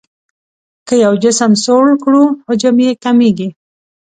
که یو جسم سوړ کړو حجم یې کمیږي.